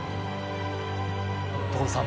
所さん！